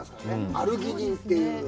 アルギニンという。